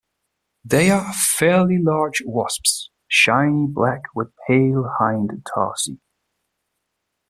They are fairly large wasps, shiny black with pale hind tarsi.